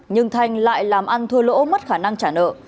nhưng thanh lại làm ăn thua lỗ mất khả năng trả nợ